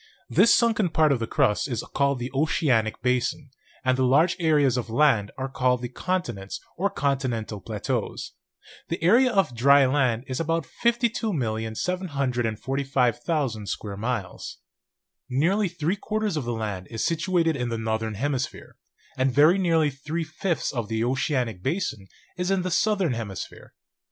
This sunken part of the crust is called the oceanic basin, and the large areas of land are called the continents or con tinental plateaus. The area of the dry land is about 52, 745,000 square miles. "Nearly three quarters of the land is situated in the northern hemisphere, and very nearly three fifths of the oceanic basin in the southern hemisphere.